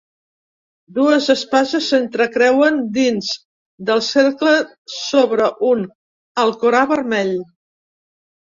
Dues espases s'entrecreuen dins del cercle sobre un Alcorà vermell.